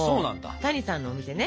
谷さんのお店ね